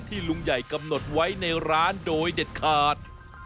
ลุงใหญ่กำหนดไว้ในร้านโดยเด็ดขาด